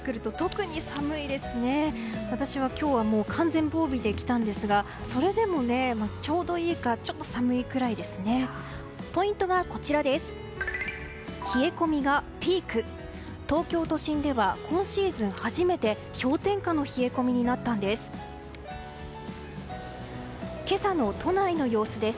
東京都心では今シーズン初めて氷点下の冷え込みになったんです。